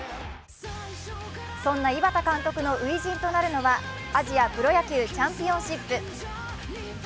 そんな井端監督の初陣となるのはアジアプロ野球チャンピオンシップ。